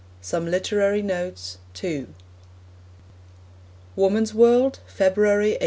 SOME LITERARY NOTES II (Woman's World, February 1889.)